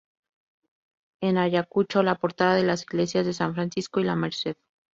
En Ayacucho la portada de las iglesias de San Francisco y La Merced.